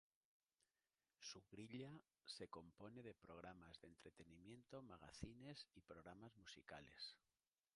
Su grilla se compone de programas de entretenimiento, magacines y programas musicales.